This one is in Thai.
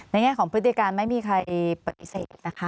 แง่ของพฤติการไม่มีใครปฏิเสธนะคะ